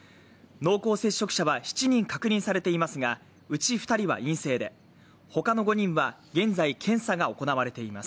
濃厚接触者は７人確認されていますがうち２人は陰性で、他の５人は現在、検査が行われています。